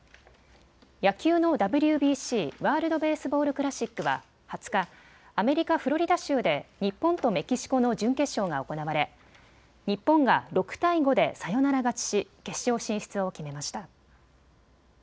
野球のＷＢＣ・ワールド・ベースボール・クラシックは２０日、アメリカ・フロリダ州で日本とメキシコの準決勝が行われ日本が６対５でサヨナラ勝ちし決勝進出を決めました。